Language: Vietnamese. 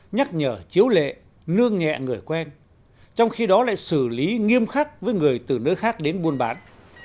nhắc nhở chiếu lệ nương nhẹ người quen trong khi đó lại xử lý nghiêm khắc với người từ nơi khác đến buôn bán